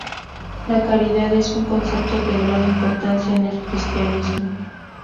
La caridad es un concepto de gran importancia en el cristianismo.